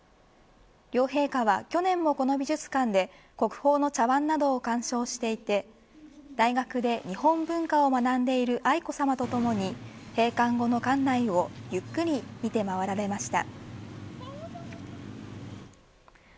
両陛下は、去年もこの美術館で国宝の茶わんなどを鑑賞していて大学で日本文化を学んでいる愛子さまと共に閉館後の館内をゆっくり見て回られました。